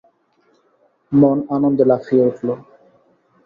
মন আনন্দে লাফিয়ে উঠল।